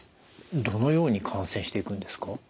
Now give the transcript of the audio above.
どのように感染していくんですか？